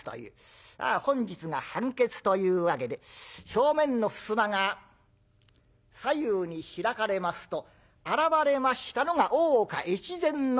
本日が判決というわけで正面の襖が左右に開かれますと現れましたのが大岡越前守様という。